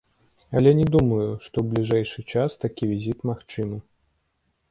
Але не думаю, што ў бліжэйшы час такі візіт магчымы.